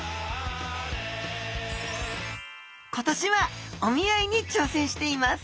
今年はお見合いに挑戦しています！